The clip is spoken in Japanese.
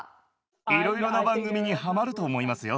いろいろな番組にはまると思いますよ。